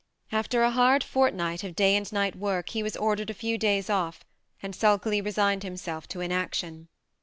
After a hard fortnight of day and night work he was ordered a few days off, and sulkily resigned himself to inaction.